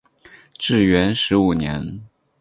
至元十五年。